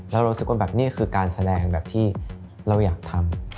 แล้วรู้สึกว่านี่คือการแสดงที่เราอยากทำ